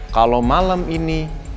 kalau malam ini